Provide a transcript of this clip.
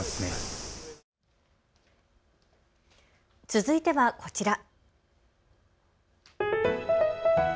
続いてはこちら。